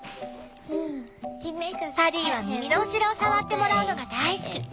パディは耳の後ろを触ってもらうのが大好き。